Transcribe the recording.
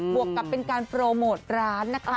วกกับเป็นการโปรโมทร้านนะคะ